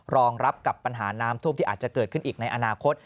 รองรับกับปัญหาน้ำท่วมที่อาจจะเกิดขึ้นอีกในอนาคต